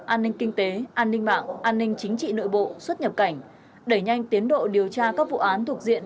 an ninh kinh tế an ninh mạng an ninh chính trị nội bộ xuất nhập cảnh đẩy nhanh tiến độ điều tra các vụ án thuộc diện